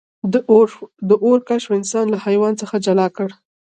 د اور کشف انسان له حیوان څخه جلا کړ.